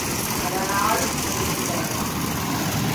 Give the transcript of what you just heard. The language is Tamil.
அதனால் பெருமை பெறலாம்.